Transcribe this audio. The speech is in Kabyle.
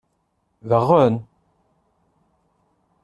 Daɣen?!